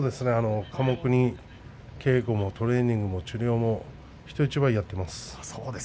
寡黙に稽古もトレーニングも治療も人一倍やっています。